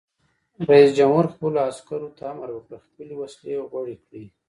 رئیس جمهور خپلو عسکرو ته امر وکړ؛ خپلې وسلې غوړې کړئ!